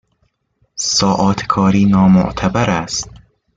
ساعات کاری نامعتبر است